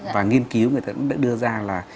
và nghiên cứu người ta đã đưa ra là